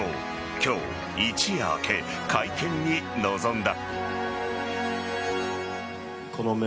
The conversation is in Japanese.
今日、一夜明け会見に臨んだ。